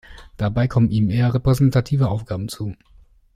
Dabei kommen ihm eher repräsentative Aufgaben zu.